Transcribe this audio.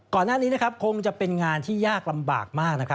ก่อนหน้านี้คงจะเป็นงานที่ยากรำบากมาก